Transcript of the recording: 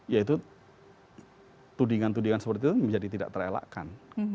yaitu tudingan tudingan seperti itu menjadi tidak terelakkan